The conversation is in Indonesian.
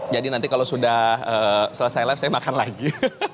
jadi nanti kalau sudah selesai live saya makan lagi